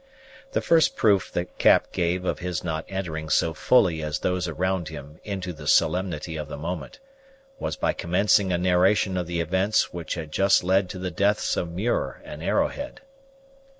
The first proof that Cap gave of his not entering so fully as those around him into the solemnity of the moment, was by commencing a narration of the events which had just led to the deaths of Muir and Arrowhead.